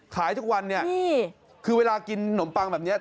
ขายทุกวันเนี่ยคือเวลากินนมปังแบบนี้